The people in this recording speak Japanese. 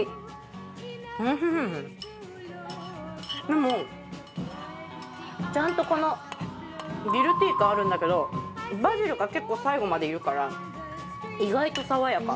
でもちゃんとこのギルティ感あるんだけどバジルが結構最後までいるから意外と爽やか。